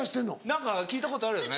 何か聞いたことあるよね。